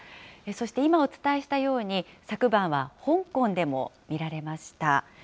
そして今、お伝えしたように、昨晩は香港でも見られました。